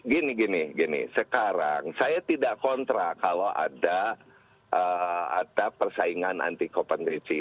gini gini sekarang saya tidak kontra kalau ada persaingan anti compengity